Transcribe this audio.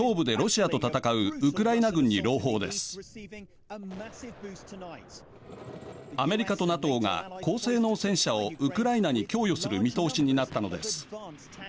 アメリカとＮＡＴＯが高性能戦車をウクライナに供与する見通しになったのです。